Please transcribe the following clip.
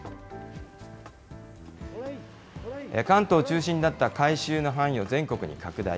関東中心だった回収の範囲を全国に拡大。